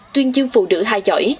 tuyên chương phụ nữ hai giỏi